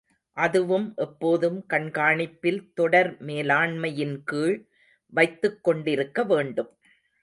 அதுவும் எப்போதும் கண்காணிப்பில் தொடர் மேலாண்மையின்கீழ் வைத்துக் கொண்டிருக்க வேண்டும்.